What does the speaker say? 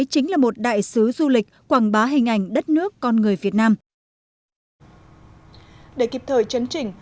chính là một đại sứ du lịch quảng bá hình ảnh đất nước con người việt nam để kịp thời chấn chỉnh